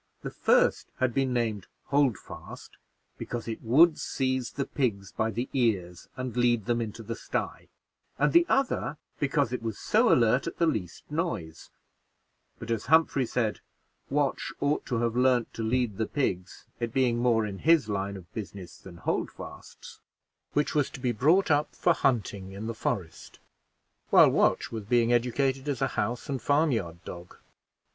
The first had been named Holdfast, because it would seize the pigs by the ears and lead them into the sty, and the other because it was so alert at the least noise; but, as Humphrey said, Watch ought to have learned to lead the pigs, it being more in his line of business than Holdfast's, which was to be brought up for hunting in the forest, while Watch was being educated as a house and farmyard dog.